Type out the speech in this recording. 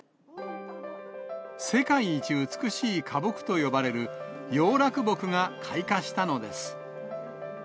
世界一美しい花木と呼ばれるヨウラクボクが開花したのです。